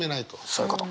そういうこと。